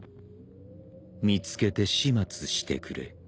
見つけて始末してくれ。